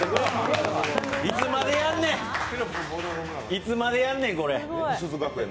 いつまでやんねん。